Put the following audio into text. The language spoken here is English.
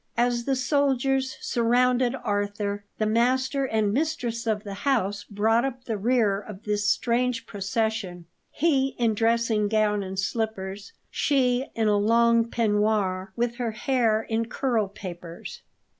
As the soldiers surrounded Arthur, the master and mistress of the house brought up the rear of this strange procession; he in dressing gown and slippers, she in a long peignoir, with her hair in curlpapers.